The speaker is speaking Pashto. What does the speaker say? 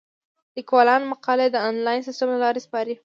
لیکوالان مقالې د انلاین سیستم له لارې سپاري.